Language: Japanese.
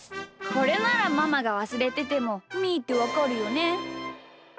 これならママがわすれててもみーってわかるよね。